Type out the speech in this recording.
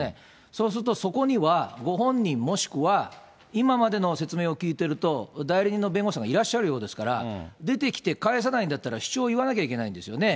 そうすると、そこにはご本人もしくは、今までの説明を聞いてると、代理人の弁護士さんがいらっしゃるようですから、出てきて、返さないんだったら主張言わなきゃいけないんですよね。